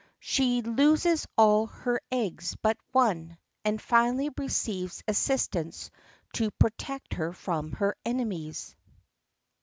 SHE LOSES ALL HER EGGS BUT ONE, AND FINALLY RECEIVES ASSISTANCE TO PROTECT HER FROM HER ENEMIES.